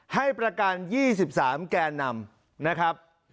ให้ประการ๒๓แกนนำ